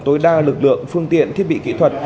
tối đa lực lượng phương tiện thiết bị kỹ thuật